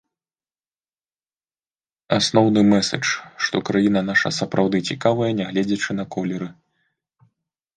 Асноўны мэсэдж, што краіна наша сапраўды цікавая, нягледзячы на колеры.